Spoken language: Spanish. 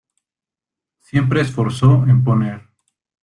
Siempre esforzó en poner